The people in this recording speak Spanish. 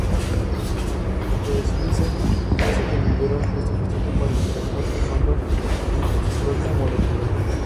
Dentro del sílice, estos sobrevivieron lo suficiente para interactuar, formando di-positronio molecular.